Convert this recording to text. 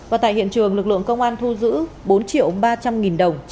và tại hiện trường lực lượng công an thu giữ bốn triệu ba trăm linh nghìn đồng